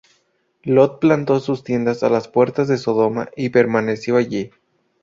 Lot plantó sus tiendas a las puertas de Sodoma y permaneció allí.